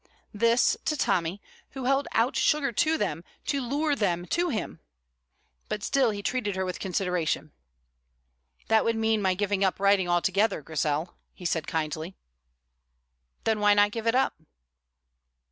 This to Tommy, who held out sugar to them to lure them to him! But still he treated her with consideration. "That would mean my giving up writing altogether, Grizel," he said kindly. "Then why not give it up?"